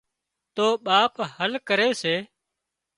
تو ٻاپ حل ڪري سي